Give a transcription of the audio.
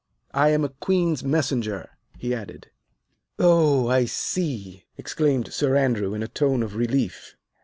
I am a Queen's Messenger," he added. "Oh, I see," exclaimed Sir Andrew in a tone of relief.